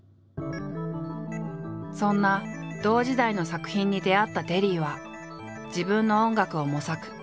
そんな同時代の作品に出会ったテリーは自分の音楽を模索。